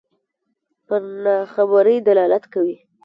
پر ناخبرۍ دلالت کوي.